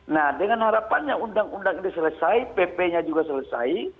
nah dengan harapannya undang undang ini selesai pp nya juga selesai